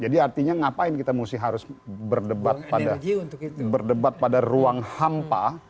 jadi artinya ngapain kita harus berdebat pada ruang hampa